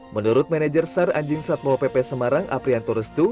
menurut manajer sar anjing satpol pp semarang aprian toresdu